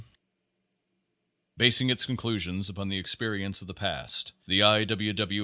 W. Basing its conclusions upon the experience of the past the I. W. W.